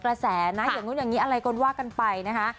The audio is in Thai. กระแสนะอย่างนู้นอย่างนี้อะไรก็ว่ากันไปนะคะ